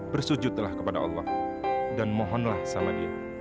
bersujudlah kepada allah dan mohonlah sama dia